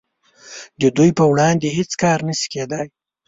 د دوی په وړاندې هیڅ کار نشي کیدای